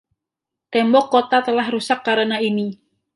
Tembok kota telah rusak karena ini.